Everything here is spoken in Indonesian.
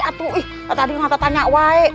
atu ih tadi nggak tanya woy